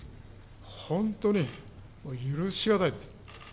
本当に許し難いです。